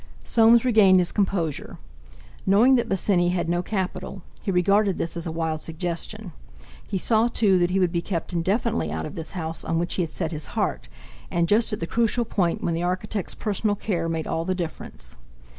Soames regained his composure. Knowing that Bosinney had no capital, he regarded this as a wild suggestion. He saw, too, that he would be kept indefinitely out of this house on which he had set his heart, and just at the crucial point when the architect's personal care made all the difference.